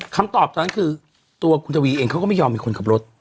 คำตอบตอนนั้นคือตัวคุณทวีเองเขาก็ไม่ยอมมีคนขับรถ